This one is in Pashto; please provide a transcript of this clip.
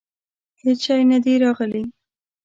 هیڅ شی نه دي راغلي.